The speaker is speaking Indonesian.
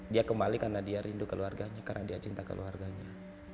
dia kembali karena dia rindu keluarganya karena dia cinta keluarganya